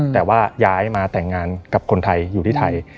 แต่ว่าย้ายมาแต่งงานกับคนไทยอยู่ที่ไทย